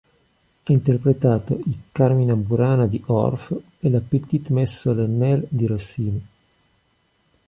Ha interpretato i "Carmina Burana" di Orff e la "Petite messe solennelle" di Rossini.